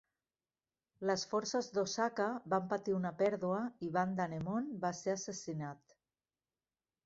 Les forces d'Osaka van patir una pèrdua i Ban Danemon va ser assassinat.